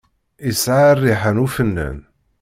Yesɛa rriḥa ufennan.